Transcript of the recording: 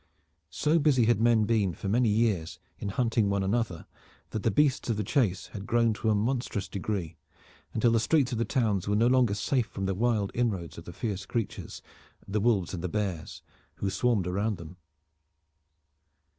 So busy had men been for many years in hunting one another that the beasts of the chase had grown to a monstrous degree, until the streets of the towns were no longer safe from the wild inroads of the fierce creatures, the wolves and the bears, who swarmed around them.